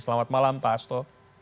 selamat malam pak hasto